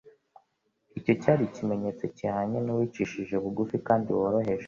icyo cyari ikimenyetso cyihanye cy'uwicishije bugufi kandi woroheje.